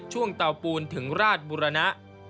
เตาปูนถึงราชบุรณะ